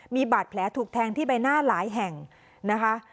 มีบาดแผลถูกแทงที่ใบหน้าหลายแห่งนะคะ